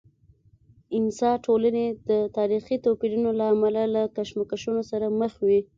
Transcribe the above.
انسا ټولنې د تاریخي توپیرونو له امله له کشمکشونو سره مخ وي.